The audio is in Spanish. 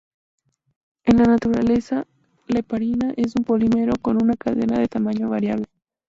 En la naturaleza, la heparina es un polímero con una cadena de tamaño variable.